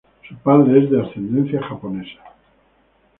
Su padre es de ascendencia japonesa.